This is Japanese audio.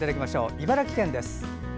茨城県です。